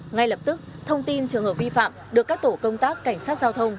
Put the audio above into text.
ngay lập tức thông tin trường hợp vi phạm được các tổ công tác cảnh sát giao thông